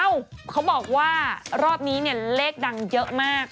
เอ้าเขาบอกว่ารอบนี้เลขดังเยอะมาก